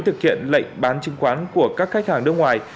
thực hiện lệnh bán chứng khoán của các khách hàng nước ngoài